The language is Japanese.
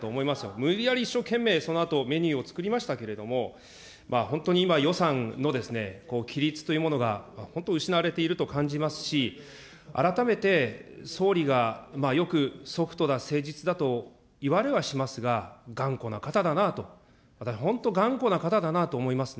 無理やり一生懸命、そのあとメニューを作りましたけれども、本当に今、予算の規律というものが、本当失われていると感じますし、改めて、総理がよくソフトだ、誠実だと言われはしますが、頑固な方だなぁと、私、本当、頑固な方だなと思いますね。